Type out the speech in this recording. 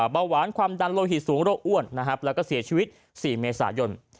เบาหวานความดันโลหิตสูงโรคอ้วนแล้วก็เสียชีวิต๔เมษายน